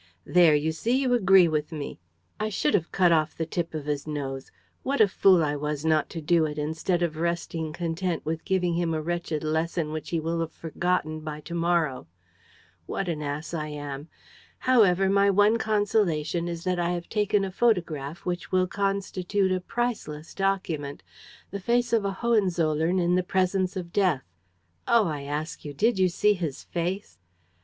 "There, you see, you agree with me! I should have cut off the tip of his nose! What a fool I was not to do it, instead of resting content with giving him a wretched lesson which he will have forgotten by to morrow! What an ass I am! However, my one consolation is that I have taken a photograph which will constitute a priceless document: the face of a Hohenzollern in the presence of death. Oh, I ask you, did you see his face?